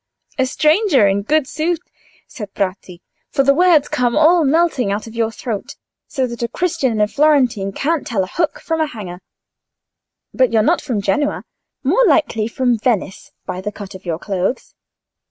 "A stranger, in good sooth," said Bratti, "for the words come all melting out of your throat, so that a Christian and a Florentine can't tell a hook from a hanger. But you're not from Genoa? More likely from Venice, by the cut of your clothes?"